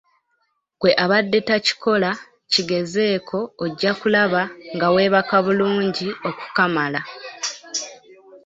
Gwe abadde takikola kigezeeko ojja kulaba nga weebaka bulungi okukamala.